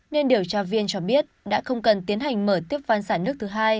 nên điều tra viên cho biết đã không cần tiến hành mở tiếp van sản nước thứ hai